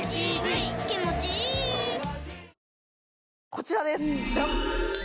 こちらですジャン！